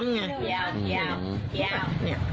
เยา